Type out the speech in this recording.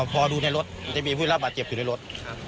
พอดูในรถจะมีผู้รับบาดเจ็บอยู่ในรถ